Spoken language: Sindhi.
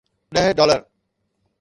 ڏهه ڊالر.